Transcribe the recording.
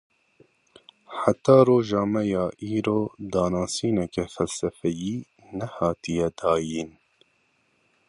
Heya roja me ya îro, danasîneke felsefeyî nehatiye dayîn.